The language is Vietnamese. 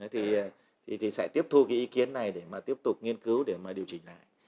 thì sẽ tiếp thu cái ý kiến này để mà tiếp tục nghiên cứu để mà điều chỉnh lại